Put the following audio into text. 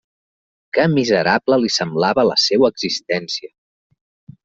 Que miserable li semblava la seua existència!